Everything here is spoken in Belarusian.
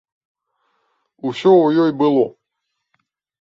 Усё ў ёй было.